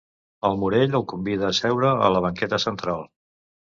El Morell el convida a seure a la banqueta central.